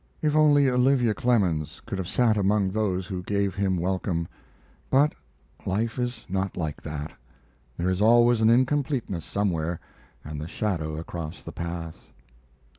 If only Olivia Clemens could have sat among those who gave him welcome! But life is not like that. There is always an incompleteness somewhere, and the shadow across the path.